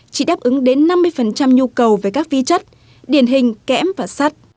chỉ đáp ứng đến năm mươi nhu cầu về các vi chất điển hình kẽm và sát